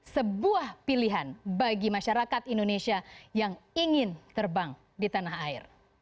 sebuah pilihan bagi masyarakat indonesia yang ingin terbang di tanah air